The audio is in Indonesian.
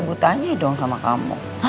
aku tanya dong sama kamu